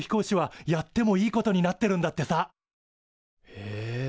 へえ。